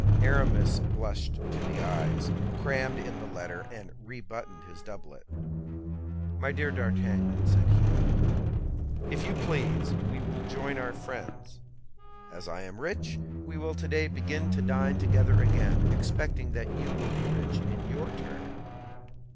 Aramis blushed to the eyes, crammed in the letter, and re buttoned his doublet. "My dear D'Artagnan," said he, "if you please, we will join our friends; as I am rich, we will today begin to dine together again, expecting that you will be rich in your turn."